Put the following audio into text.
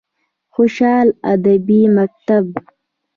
خوشحال ادبي مکتب: